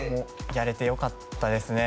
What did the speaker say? やれて良かったですね。